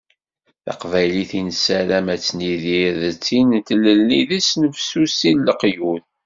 Taqbaylit i nessaram ad tt-nidir d tin n tlelli d usnefsusi n leqyud.